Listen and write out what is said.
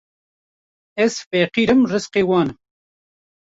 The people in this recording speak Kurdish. Ez feqîr im rizqê wan im